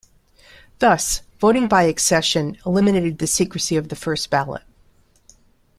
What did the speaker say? Thus, voting by accession eliminated the secrecy of the first ballot.